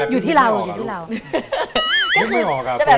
อยู่ที่เรา